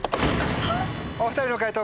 お２人の解答